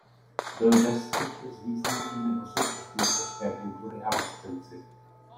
Byl ve styku s významnými osobnostmi české kultury a vlastenci.